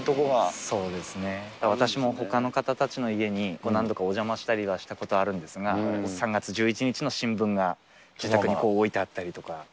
本当だ、各所、そうですね、私もほかの方たちの家に何度かお邪魔したりはしたことがあるんですが、３月１１日の新聞が自宅に置いてあったりとか。